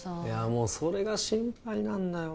もうそれが心配なんだよ